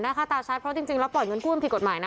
หน้าฆาตาชันเพราะจริงจริงแล้วปล่อยเงินกู้มผิดกฎหมายนะ